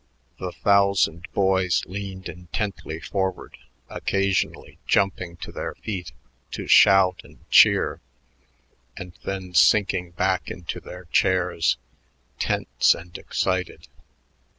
The thousand boys leaned intently forward, occasionally jumping to their feet to shout and cheer, and then sinking back into their chairs, tense and excited.